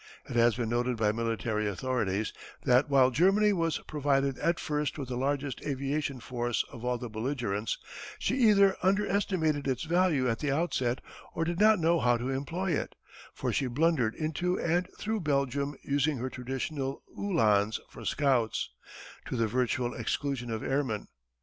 It has been noted by military authorities that, while Germany was provided at first with the largest aviation force of all the belligerents, she either underestimated its value at the outset, or did not know how to employ it, for she blundered into and through Belgium using her traditional Uhlans for scouts, to the virtual exclusion of airmen.